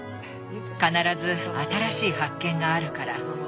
必ず新しい発見があるから。